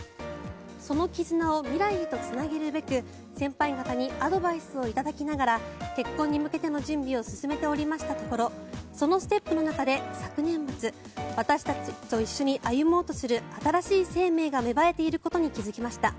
その絆を未来にとつなげるべく先輩方にアドバイスを頂きながら結婚に向けての準備を進めておりましたところそのステップの中で昨年末私たちと一緒に歩もうとする新しい生命が芽生えていることに気付きました。